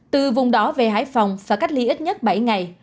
từ vùng đỏ về hải phòng phải cách ly ít nhất bảy ngày